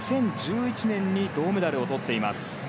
２０１１年に銅メダルをとっています。